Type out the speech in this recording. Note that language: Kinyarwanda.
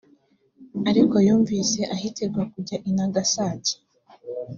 ariko yumvise ahatirwa kujya i nagasaki